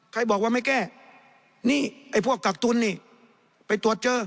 ใครบอกว่าไม่แก้นี่ไอ้พวกกักตุลนี่ไปตรวจเจอ